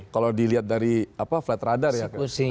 kalau dilihat dari flat radar ya